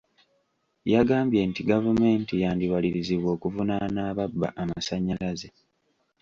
Yagambye nti gavumenti yandiwalirizibwa okuvunaana ababba amasannyalaze.